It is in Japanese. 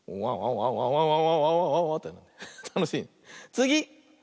つぎ！